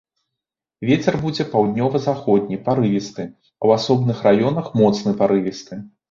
Вецер будзе паўднёва-заходні парывісты, у асобных раёнах моцны парывісты.